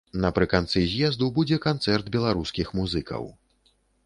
Напрыканцы з'езду будзе канцэрт беларускіх музыкаў.